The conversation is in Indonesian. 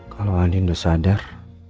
kalau andin udah sadar